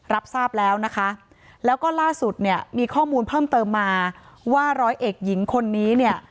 รับทราบแล้วนะคะแล้วก็ล่าสุดเนี่ยมีข้อมูลเพิ่มเติมมาว่าร้อยเอกหญิงคนนี้เนี่ย